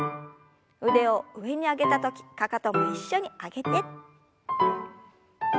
腕を上に上げた時かかとも一緒に上げて。